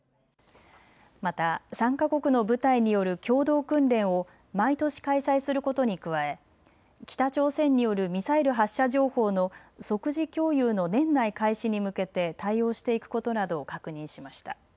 また３か国の部隊による共同訓練を毎年開催することに加え、北朝鮮によるミサイル発射情報の即時共有の年内開始に向けて対応していくことなどを確認しました。